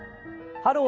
「ハロー！